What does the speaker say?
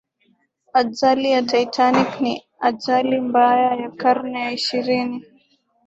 ajali ya titanic ni ajali mbaya ya karne ya ishirini